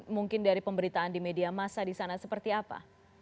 mungkin dari pemberitaan di media masa di sana seperti apa